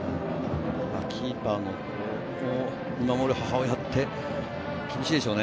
キーパーを見守る母親って厳しいでしょうね。